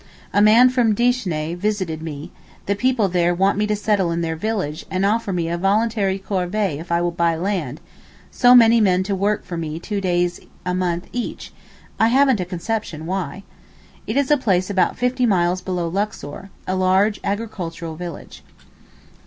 A man from Dishné visited me: the people there want me to settle in their village and offer me a voluntary corvée if I will buy land, so many men to work for me two days a month each, I haven't a conception why. It is a place about fifty miles below Luxor, a large agricultural village.